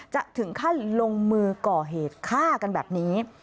จะถึงขั้นลงมือก่อเหตุฆ่ากันแบบนี้